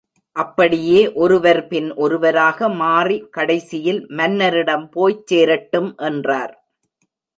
அப்படியே ஒருவர் பின் ஒருவராக மாறி கடைசியில் மன்னரிடம் போய்ச் சேரட்டும் என்றார்.